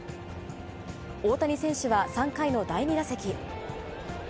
大谷選手は３回の第２打席。